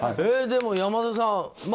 でも、山田さん